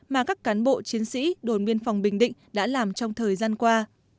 mà các cán bộ chiến sĩ đồn biên phòng bình định đã làm trong thời gian qua